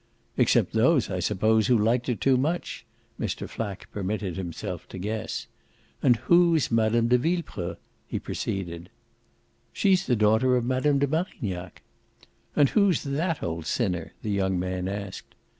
"Except those, I suppose, who liked her too much!" Mr. Flack permitted himself to guess. "And who's Mme. de Villepreux?" he proceeded. "She's the daughter of Mme. de Marignac." "And who's THAT old sinner?" the young man asked.